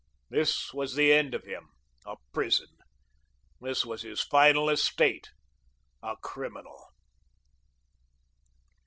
This was the end of him, a prison; this was his final estate, a criminal.